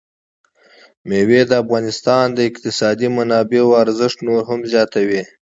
مېوې د افغانستان د اقتصادي منابعو ارزښت نور هم زیاتوي.